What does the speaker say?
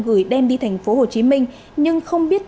gửi đem đi tp hcm nhưng không biết